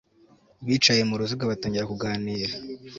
Bicaye mu ruziga batangira kuganira